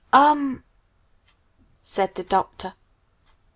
"U m m," said the Doctor.